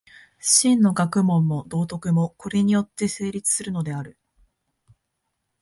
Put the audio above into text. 真の学問も道徳も、これによって成立するのである。